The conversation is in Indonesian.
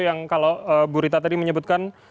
yang kalau bu rita tadi menyebutkan